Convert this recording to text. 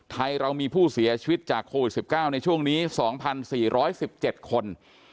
ไทยเรามีผู้เสียชีวิตจากโควิด๑๙ในช่วงนี้๒๔๑๗คน